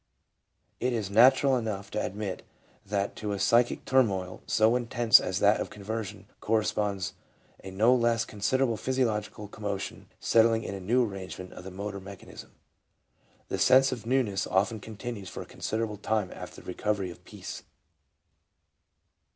It is natural enough to ad mit that to a psychic turmoil so intense as that of conversion corresponds a no less considerable physiological commotion settling in a new arrangement of the motor mechanism. The sense of newness often continues for a considerable time after the recovery of peace.